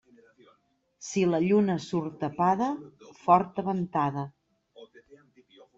Si la lluna surt tapada, forta ventada.